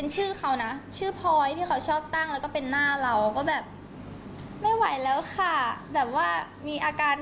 ใช่ค่ะ